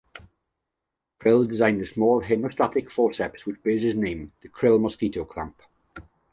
Crile designed a small hemostatic forceps which bears his name; the Crile mosquito clamp.